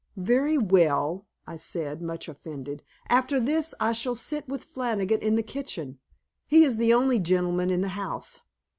"Very well," I said, much offended. "After this I shall sit with Flannigan in the kitchen. He is the only gentleman in the house."